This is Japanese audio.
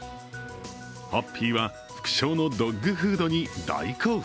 ハッピーは副賞のドッグフードに大興奮。